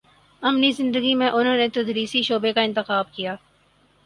عملی زندگی میں انہوں نے تدریسی شعبے کا انتخاب کیا